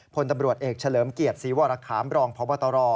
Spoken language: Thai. พลตำรวจเอกเฉลิมเกลียดสีวรคร้ามพต